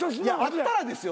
あったらですよ